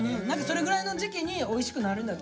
それぐらいの時期においしくなるんだと。